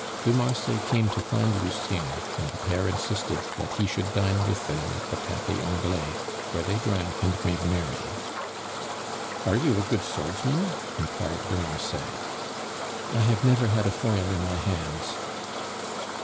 De Marsay came to find Lucien, and the pair insisted that he should dine with them at the Cafe Anglais, where they drank and made merry. "Are you a good swordsman?" inquired de Marsay. "I have never had a foil in my hands."